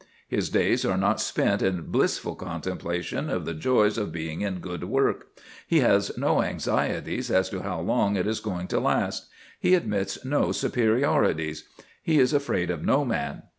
His days are not spent in blissful contemplation of the joys of being in good work; he has no anxieties as to how long it is going to last; he admits no superiorities; he is afraid of no man.